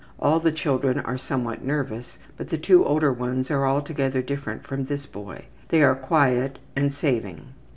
All the children are somewhat nervous, but the two older ones are altogether different from this boy. They are quiet and saving.